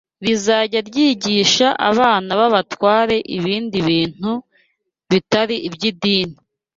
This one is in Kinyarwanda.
rizajya ryigisha abana b’abatware ibindi bintu bitari iby’idini